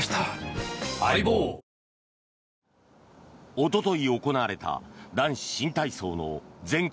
おととい行われた男子新体操の全国